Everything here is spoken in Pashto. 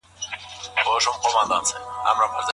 زدهکوونکي د ښوونځي له سیالیو څخه زدهکړه کوي.